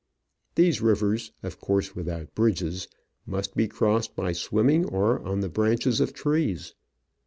These rivers — of course without bridges — must be crossed by swimming or on the branches of trees.